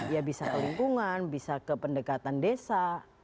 ya bisa ke lingkungan bisa ke pendekatan desa